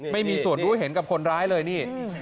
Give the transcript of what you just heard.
ไม่มีส่วนรู้เห็นกับคนร้ายเลยนี่